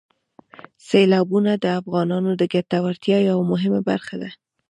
سیلابونه د افغانانو د ګټورتیا یوه مهمه برخه ده.